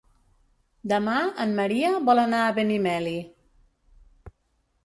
Demà en Maria vol anar a Benimeli.